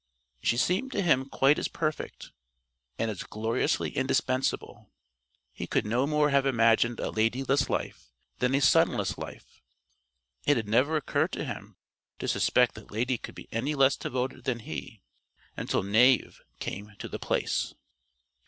She seemed to him quite as perfect, and as gloriously indispensable. He could no more have imagined a Ladyless life than a sunless life. It had never occurred to him to suspect that Lady could be any less devoted than he until Knave came to The Place.